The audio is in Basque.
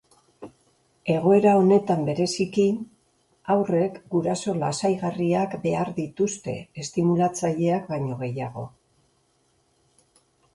Egoera honetan bereziki, haurrek guraso lasaigarriak behar dituzte estimulatzaileak baino gehiago.